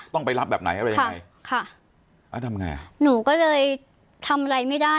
ต้องไปรับแบบไหนอะไรยังไงค่ะอ่าทำไงอ่ะหนูก็เลยทำอะไรไม่ได้